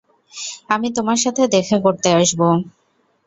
আমি তোমার সাথে দেখা করতে আসবো।